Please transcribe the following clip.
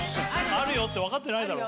「あるよ」って分かってないだろ